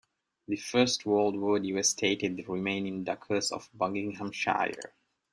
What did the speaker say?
The First World War devastated the remaining duckers of Buckinghamshire.